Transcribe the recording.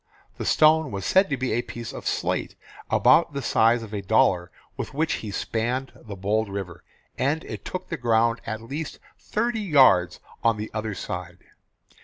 The stone was said to be a piece of slate about the size of a dollar with which he spanned the bold river, and it took the ground at least thirty yards on the other side.